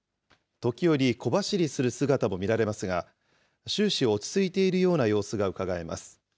時折小走りする姿も見られますが、終始、落ち着いている様子がうかがえます。